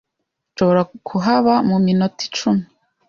Nshobora kuhaba mu minota icumi